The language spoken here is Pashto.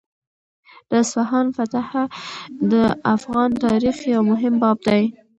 د اصفهان فتحه د افغان تاریخ یو مهم باب دی.